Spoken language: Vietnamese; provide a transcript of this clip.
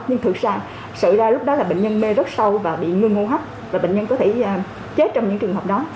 nhưng thực ra sự ra lúc đó là bệnh nhân mê rất sâu và bị ngương ngô hấp và bệnh nhân có thể chết trong những trường hợp đó